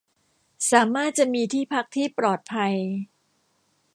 สามารถจะมีที่พักที่ปลอดภัย